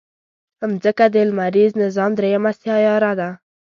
مځکه د لمریز نظام دریمه سیاره ده.